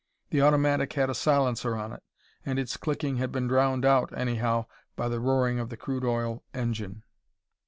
The automatic had a silencer on it, and its clicking had been drowned out, anyhow, by the roaring of the crude oil engine.